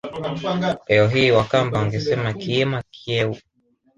Leo hii Wakamba wangesema Kiima Kyeu